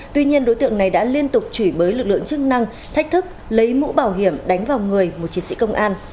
tuy nhiên đối tượng này đã liên tục chửi bới lực lượng chức năng thách thức lấy mũ bảo hiểm đánh vào người một chiến sĩ công an